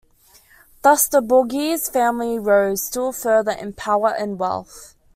Thus the Borghese family rose still further in power and wealth.